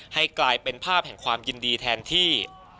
ให้กลายเป็นภาพแห่งความยินดีแทนที่